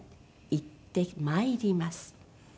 「行ってまいります」。